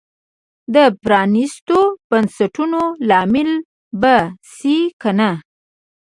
د پرانیستو بنسټونو لامل به شي که نه.